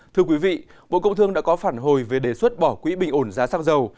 thưa quý vị bộ công thương đã có phản hồi về đề xuất bỏ quỹ bình ổn giá xăng dầu